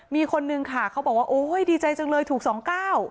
มีคนนึงค่ะเขาบอกว่าโอ้ยดีใจจังเลยถูกสองเก้า